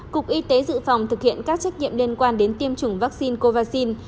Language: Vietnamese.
cục y tế dự phòng thực hiện các trách nhiệm liên quan đến tiêm chủng vaccine covid